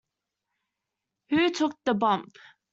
Who Took the Bomp?